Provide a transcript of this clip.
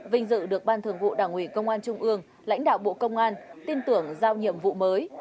vinh dự được ban thường vụ đảng ủy công an trung ương lãnh đạo bộ công an tin tưởng giao nhiệm vụ mới